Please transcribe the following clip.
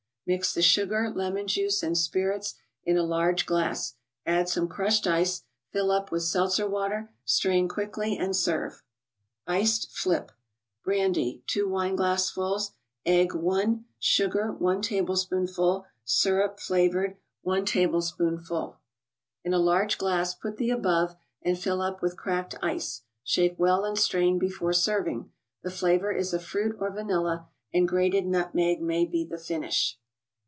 Mix the sugar, lemon juice and spirits in a large glass, add some crushed ice; fill up with seltzerwater ; strain quickly and serve. 91 ceD flip. Brandy, Eg.?. Sugar, Syrup (flavored), 2 wineglassfuls ; 1 ; 1 tablespoonful; 1 tablespoonful. In a large glass put the above, and fill up with cracked ice ; shake well and strain before serving. The flavor is a fruit or vanilla, and grated nutmeg may be the finish.